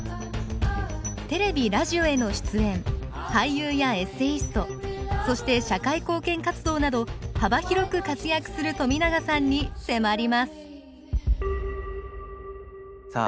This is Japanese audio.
テレビラジオへの出演俳優やエッセイストそして社会貢献活動など幅広く活躍する冨永さんに迫りますさあ